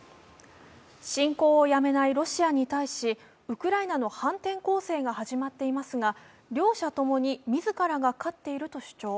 侵攻をやめないロシアに対し、ウクライナの反転攻勢が始まっていますが両者ともに自らが勝っていると主張。